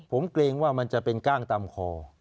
ผมเกรงว่ามันจะเป็นก้างตามคอ